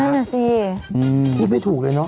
นั่นแน่นอนสิพิษไม่ถูกเลยเนอะ